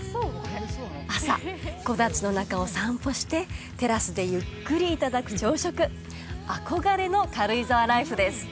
朝木立の中を散歩してテラスでゆっくりいただく朝食憧れの軽井沢ライフです